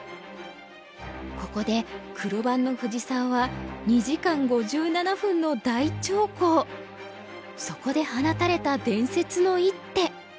ここで黒番の藤沢はそこで放たれた伝説の一手。